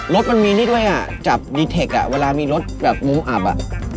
รถมันมีนิดด้วยอ่ะจับดีเทคอ่ะเวลามีรถแบบมุมอับอ่ะ